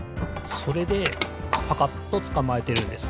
それでパカッとつかまえてるんです。